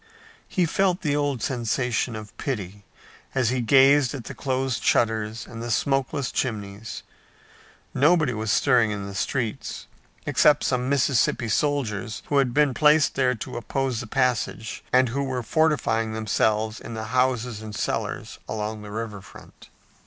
He felt the old sensation of pity as he gazed at the closed shutters and the smokeless chimneys. Nobody was stirring in the streets, except some Mississippi soldiers who had been placed there to oppose the passage, and who were fortifying themselves in the houses and cellars along the river front.